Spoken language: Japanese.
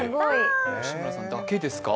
吉村さんだけですか？